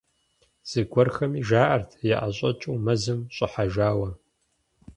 Зыгуэрхэми жаӏэрт яӏэщӏэкӏыу мэзым щӏыхьэжауэ.